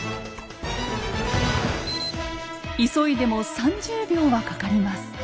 急いでも３０秒はかかります。